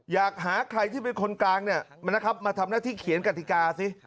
อยากหาใครที่เป็นคนกลางมาทำหน้าที่เขียนกฎิกาซิ